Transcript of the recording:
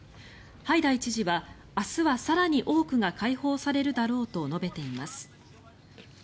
ハイダイ知事は明日は更に多くが解放されるだろうと述べています。